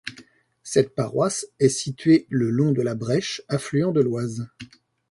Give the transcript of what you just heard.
Cette paroisse est située le long de la Brèche, affluent de l’Oise.